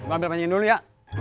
gua ambil mancingin dulu ya